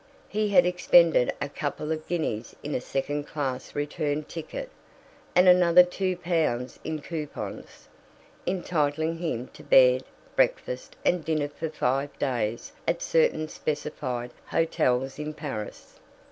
He had expended a couple of guineas in a second class return ticket, and another two pounds in "coupons," entitling him to bed, breakfast, and dinner for five days at certain specified hotels in Paris.